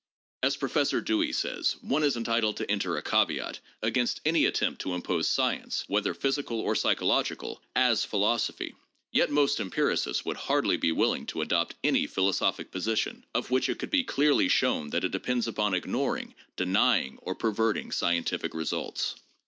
As Professor Dewey says :" One is entitled to enter a caveat against any attempt to impose science, whether physical or psychological, as philosophy. ... Yet most empiricists would hardly be willing to adopt any philosophic position of which it could be clearly shown that it depends upon ignoring, denying or perverting scientific results."